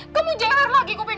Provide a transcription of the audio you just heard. kamu jelar lagi kuping melati